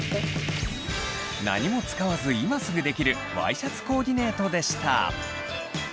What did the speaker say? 何も使わず今すぐできるワイシャツコーディネートでした。